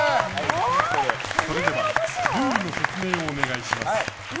それではルールの説明をお願いします。